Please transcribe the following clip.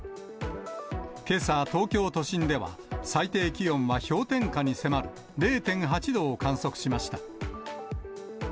けさ、東京都心では、最低気温は氷点下に迫る０．８度を観測しました。